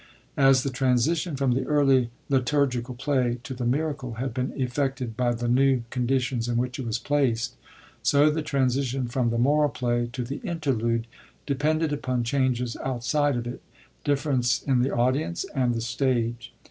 As the transition from the early Liturgical Play to the Miracle had been effected by the new con ditions in which it was placed, so the transition from the Moral Play to the Interlude depended upon changes out side of it, difference in the audience, and the stage.